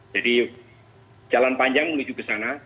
jalan panjang menuju ke sana